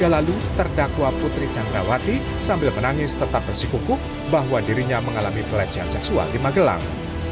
dua puluh lalu terdakwa putri candrawati sambil menangis tetap bersikuku bahwa dirinya mengalami pelecehan seksual di magelang